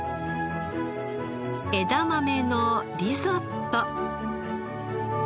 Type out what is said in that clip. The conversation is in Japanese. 枝豆のリゾット。